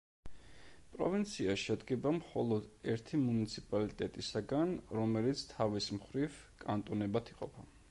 პროვინცია შედგება მხოლოდ ერთი მუნიციპალიტეტისაგან, რომელიც თავის მხრივ კანტონებად იყოფა.